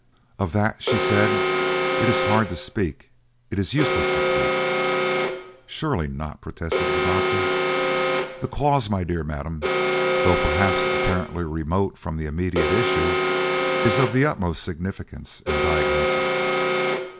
"Of that," she said, "it is hard to speak it is useless to speak!" "Surely not!" protested the doctor. "The cause, my dear madame, though perhaps apparently remote from the immediate issue, is of the utmost significance in diagnosis."